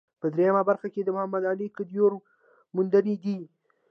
په درېیمه برخه کې د محمد علي کدیور موندنې دي.